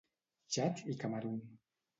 Txad i Camerun.